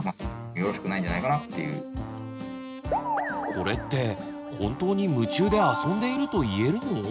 これって本当に夢中であそんでいると言えるの？